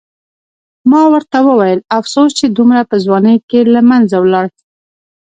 ما ورته وویل: افسوس چې دومره په ځوانۍ کې له منځه ولاړ.